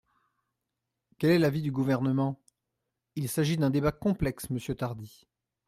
Quel est l’avis du Gouvernement ? Il s’agit d’un débat complexe, monsieur Tardy.